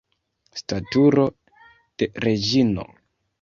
Staturo de reĝino!